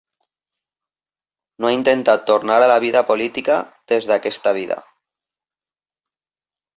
No ha intentat tornar a la vida política des d'aquesta vida.